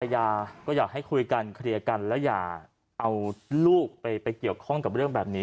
ยาก็อยากให้คุยกันเคลียร์กันแล้วอย่าเอาลูกไปเกี่ยวข้องกับเรื่องแบบนี้